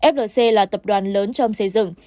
flc là tập đoàn lớn trong